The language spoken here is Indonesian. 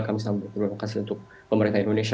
kami sangat berterima kasih untuk pemerintah indonesia